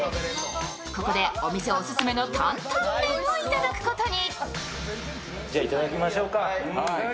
ここでお店オススメの担々麺をいただくことに。